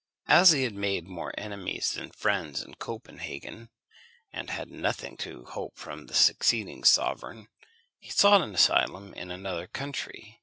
As he had made more enemies than friends in Copenhagen, and had nothing to hope from the succeeding sovereign, he sought an asylum in another country.